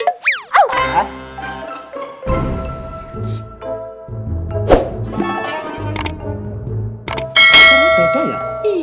saya mau tanyakan satu hal apa boleh